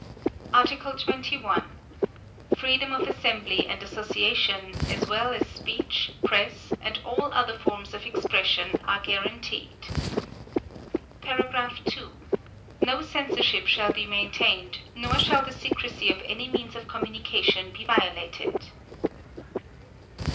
Article 21. Freedom of assembly and association as well as speech, press and all other forms of expression are guaranteed. (2) No censorship shall be maintained, nor shall the secrecy of any means of communication be violated.